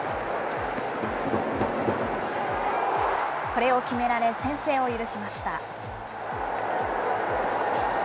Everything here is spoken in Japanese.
これを決められ、先制を許しました。